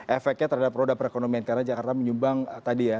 efeknya terhadap roda perekonomian karena jakarta menyumbang tadi ya